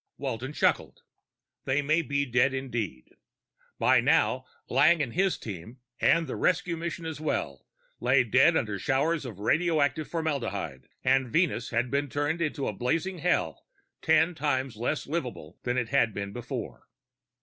_ Walton chuckled. They may be dead, indeed! By now Lang and his team, and the rescue mission as well, lay dead under showers of radioactive formaldehyde, and Venus had been turned into a blazing hell ten times less livable than it had been before.